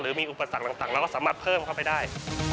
หรือมีอุปสรรคต่างเราก็สามารถเพิ่มเข้าไปได้